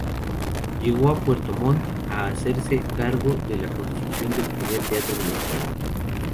Llegó a Puerto Montt a hacerse cargo de la construcción del primer teatro municipal.